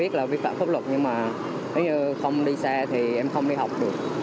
các em không đi học được